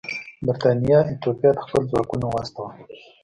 برېټانیا ایتوپیا ته خپل ځواکونه واستول.